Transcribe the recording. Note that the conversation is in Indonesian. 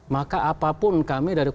maka apapun kami dari